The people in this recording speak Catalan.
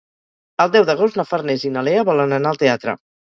El deu d'agost na Farners i na Lea volen anar al teatre.